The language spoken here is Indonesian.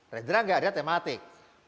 rendra enggak ada tematik